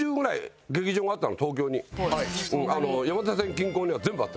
山手線近郊には全部あったのよ。